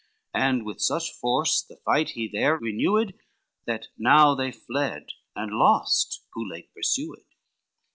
And with such force the fight he there renewed, That now they fled and lost who late pursued.